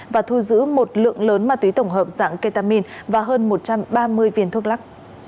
và thu giữ một lượng lớn ma túy tổng hợp dạng ketamin và hơn một trăm ba mươi viên thuốc lắc